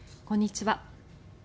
こんにちは。